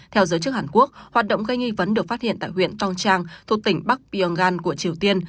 theo giới chức hàn quốc hoạt động gây nghi vấn được phát hiện tại huyện tongchang thuộc tỉnh bắc pyongyang của triều tiên